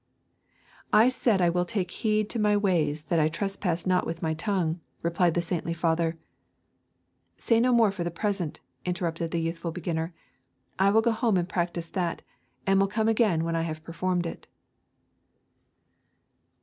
'I said I will take heed to my ways that I trespass not with my tongue,' replied the saintly father. 'Say no more for the present,' interrupted the youthful beginner; 'I will go home and practise that, and will come again when I have performed it.'